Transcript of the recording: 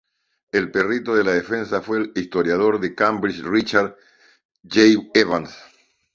El perito de la defensa fue el historiador de Cambridge Richard J. Evans.